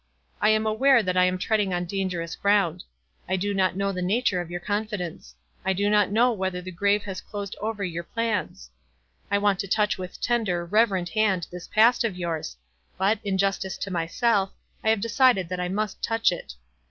I am aware that I am treading on dangerous ground. I do not know the nature of your confidence. I do not know whether the grave has closed over your plans. I want to touch with tender, reverent hand this past of yours ; but, in justice to myself, I have decided that I must touch it.